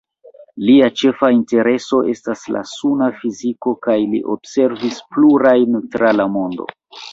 Lia ĉefa intereso estas la suna fiziko kaj li observis plurajn tra la mondo.